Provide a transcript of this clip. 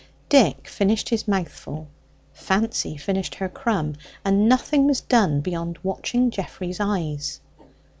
Dick finished his mouthful; Fancy finished her crumb, and nothing was done beyond watching Geoffrey's eyes.